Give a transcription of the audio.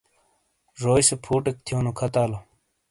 زوئی سے فُوٹیک تھیونو کھاتالو۔